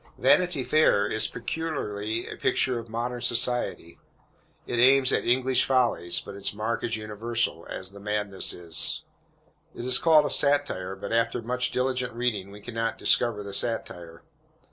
Vanity Fair is peculiarly a picture of modern society. It aims at English follies, but its mark is universal, as the madness is. It is called a satire, but, after much diligent reading, we can not discover the satire.